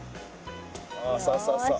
おそうそうそう。